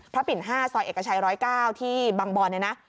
พระปิ่นห้าซอยเอกชายร้อยเก้าที่บางบอนนะ